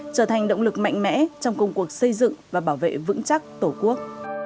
trở thành động lực mạnh mẽ trong công cuộc xây dựng và bảo vệ vững chắc tổ quốc